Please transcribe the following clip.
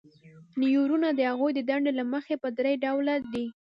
نیورونونه د هغوی د دندې له مخې په درې ډوله دي.